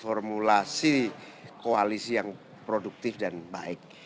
formulasi koalisi yang produktif dan baik